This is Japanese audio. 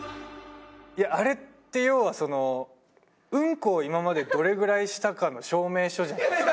いやあれって要はそのウンコを今までどれぐらいしたかの証明書じゃないですか。